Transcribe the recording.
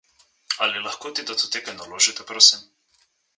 Ali lahko te datoteke naložite, prosim?